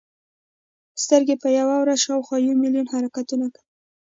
سترګې په یوه ورځ شاوخوا یو ملیون حرکتونه کوي.